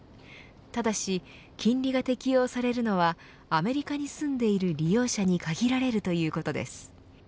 ただし、金利が適用されるのはアメリカに住んでいる利用者に限られるということです。